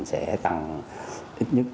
sẽ tăng ít nhất